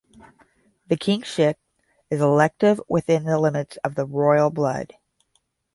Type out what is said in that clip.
The kingship is elective within the limits of the royal blood.